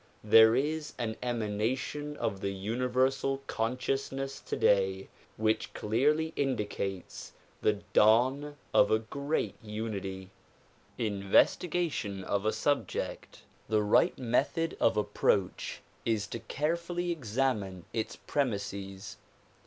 There is an emanation of the universal consciousness today which clearly indicates the dawn of a great unity. 224 THE PROMULGATION OF UNIVERSAL PEACE In the investigation of a subject the right method of approach is to carefully examine its premises.